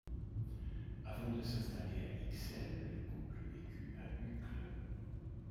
Avant de s'installer à Ixelles, le couple vécut à Uccle.